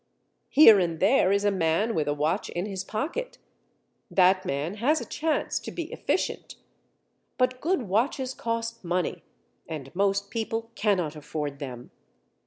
Here and there is a man with a watch in his pocket. That man has a chance to be efficient; but good watches cost money, and most people cannot afford them.